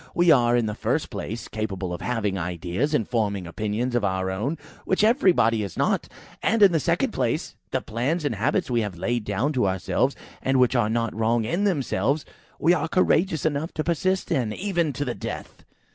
We are, in the first place, capable of having ideas, and forming opinions of our own, which everybody is not; and, in the second place, the plans and habits we have laid down to ourselves, and which are not wrong in themselves, we are courageous enough to persist in, even to the death."